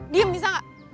diam bisa gak